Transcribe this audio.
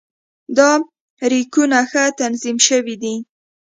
دا ریکونه ښه تنظیم شوي دي.